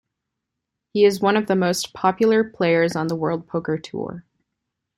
He is one of the most popular players on the World Poker Tour.